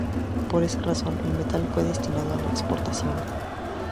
Por esa razón, el metal fue destinado a la exportación.